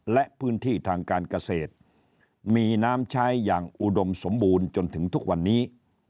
และพื้นที่ทางการเกษตรมีน้ำใช้อย่างอุดมสมบูรณ์จนถึงทุกวันนี้